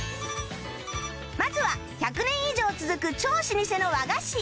まずは１００年以上続く超老舗の和菓子